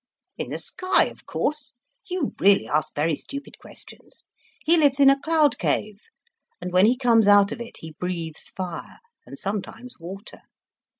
"In the sky, of course. You really ask very stupid questions. He lives in a cloud cave. And when he comes out of it he breathes fire, and sometimes water.